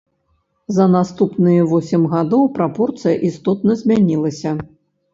За наступныя восем гадоў прапорцыя істотна змянілася.